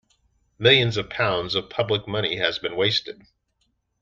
Millions of pounds of public money has been wasted.